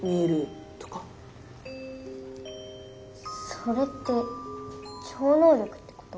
それって超能力ってこと？